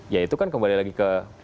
ya itu kan kembali lagi ke